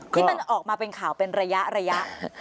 ที่มันออกมาเป็นข่าวเป็นระยะ